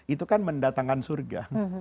itu kan mendatangkan surga